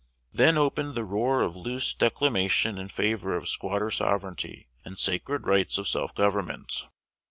Then opened the roar of loose declamation in favor of "squatter sovereignty" and "sacred right of self government."